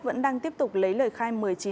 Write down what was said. vẫn đang tiếp tục lấy lời khai một mươi chín